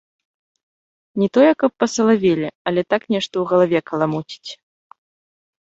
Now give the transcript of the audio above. Не тое каб пасалавелі, але так нешта ў галаве каламуціць.